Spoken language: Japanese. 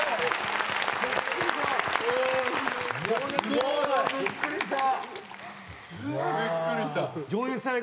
びっくりした。